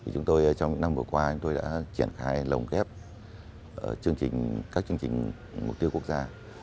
trong những năm vừa qua chúng tôi đã triển khai lồng kép các chương trình mục tiêu quốc gia